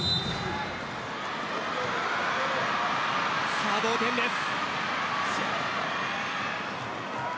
さあ、同点です。